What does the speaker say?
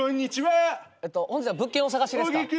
本日は物件お探しですか？